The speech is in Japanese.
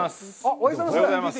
おはようございます。